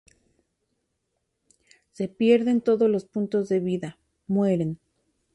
Si pierden todos los puntos de vida, mueren.